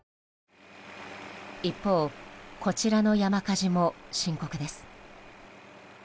一方、こちらの山火事も深刻です。